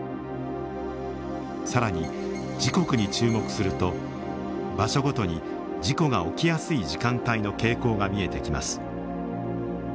更に時刻に注目すると場所ごとに事故が起きやすい時間帯の傾向が見えてきます。